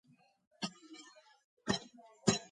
ბალკანეთის ნახევარკუნძულის ქალაქებს შორის კი სიდიდით მეათეა.